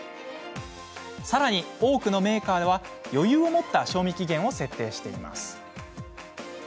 さらに、多くのメーカーは余裕を持った賞味期限を設定しています。